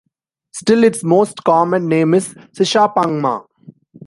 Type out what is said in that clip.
Still, its most common name is Shishapangma.